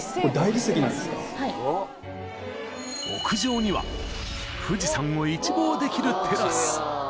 ［屋上には富士山を一望できるテラス］